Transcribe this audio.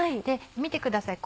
見てください